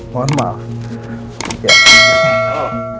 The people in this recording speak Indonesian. menjadi lawan nino